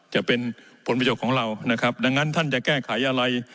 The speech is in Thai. จะเป็นผลประโยชน์ของเรานะครับดังนั้นท่านจะแก้ไขอะไร